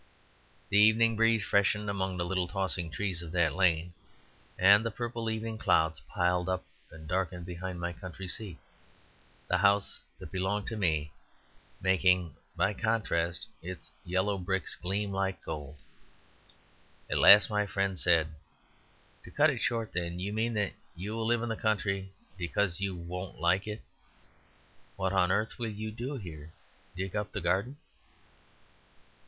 The evening breeze freshened among the little tossing trees of that lane, and the purple evening clouds piled up and darkened behind my Country Seat, the house that belonged to me, making, by contrast, its yellow bricks gleam like gold. At last my friend said: "To cut it short, then, you mean that you will live in the country because you won't like it. What on earth will you do here; dig up the garden?"